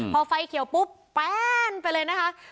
พอไฟเขียวปุ๊บแป้นไปเลยนะคะ